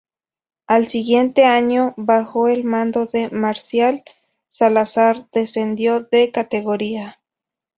Al siguiente año bajo el mando de Marcial Salazar descendió de categoría.